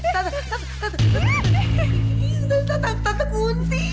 tentang tentang tentang kunti